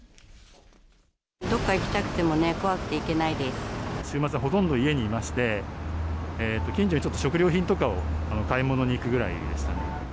どっか行きたくてもね、週末はほとんど家にいまして、近所にちょっと食料品とかを買い物に行くぐらいでしたね。